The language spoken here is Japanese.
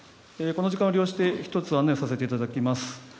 この時間を利用して１つ案内をさせていただきます。